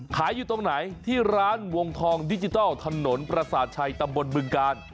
อยู่ตรงไหนที่ร้านวงทองดิจิทัลถนนประสาทชัยตำบลบึงกาล